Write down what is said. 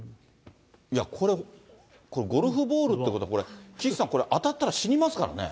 いやこれ、ゴルフボールってことは、岸さん、これ、当たったら死にますからね。